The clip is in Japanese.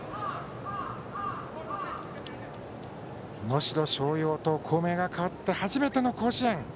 能代松陽と校名が変わって初めての甲子園。